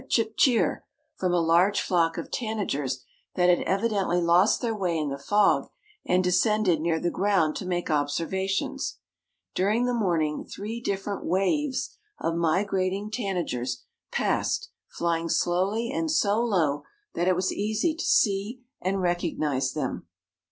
chip cheer!_ from a large flock of tanagers that had evidently lost their way in the fog, and descended near the ground to make observations. During the morning three different waves of migrating tanagers passed, flying slowly and so low that it was easy to see and recognize them.